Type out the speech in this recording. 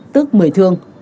tức mười thương